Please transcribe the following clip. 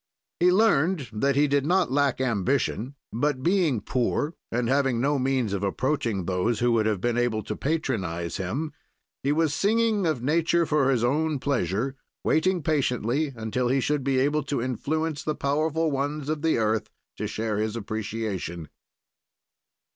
"He learned that he did not lack ambition, but, being poor, and having no means of approaching those who would have been able to patronize him, he was singing of nature for his own pleasure, waiting patiently until he should be able to influence the powerful ones of the earth to share his appreciation.